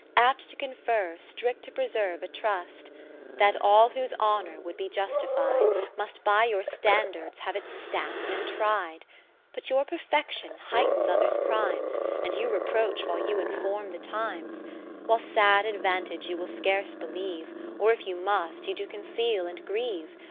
Apt to confer, strict to preserve a trust ; That all whose honour would be justified, Must by your standards have it stamp'd and tried. 90 But your perfection heightens others' crimes, And you reproach while you inform the times. Which sad advantage you will scarce believe ; Or if you must, you do conceal and grieve.